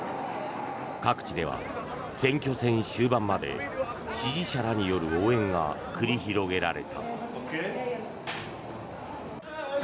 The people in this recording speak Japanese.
各地では選挙戦終盤まで支持者らによる応援が繰り広げられた。